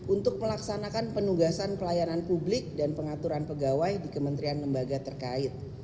untuk melaksanakan penugasan pelayanan publik dan pengaturan pegawai di kementerian lembaga terkait